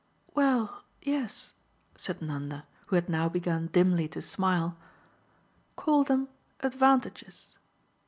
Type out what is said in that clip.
"Well yes," said Nanda, who had now begun dimly to smile "call them advantages."